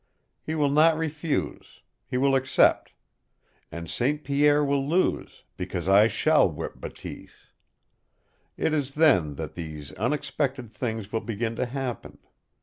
He will not refuse. He will accept. And St. Pierre will lose, because I shall whip Bateese. It is then that these unexpected things will begin to happen.